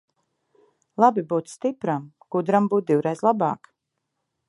Labi būt stipram, gudram būt divreiz labāk.